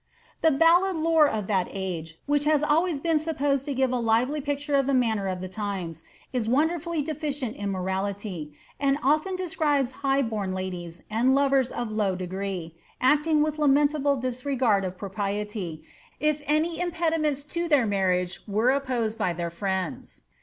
* The ballad lore of that age, which has always been supposed to give a lively picture of the manners of the times, is wonderfully deficient in morality ; and oflen describes high born ladies, and lovers of low de gree, acting with lamentable disregard of propriety, if any impediments to their marriage were opposed by their friends.